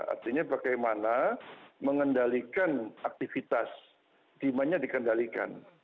artinya bagaimana mengendalikan aktivitas demandnya dikendalikan